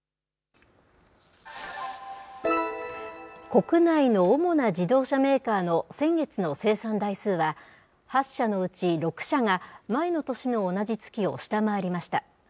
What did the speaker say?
国内の主な自動車メーカーの先月の生産台数は、８社のうち６社が、前の年の同じ月を下回りました。